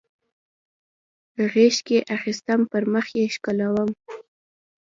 غیږ کې اخیستم پر مخ یې ښکلولم